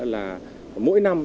là mỗi năm